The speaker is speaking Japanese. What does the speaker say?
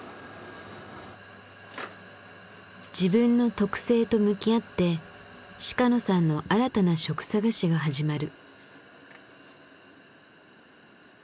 自分の特性と向き合って鹿野さんの新たな職探しが始まる。